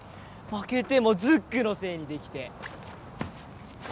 負けてもズックのせいにできて。